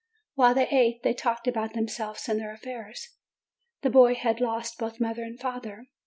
While they ate, they talked about themselves and their affairs. The boy had lost both father and mother.